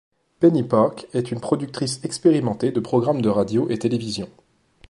Penny Park est une productrice expérimentée des programmes de radio et télévision.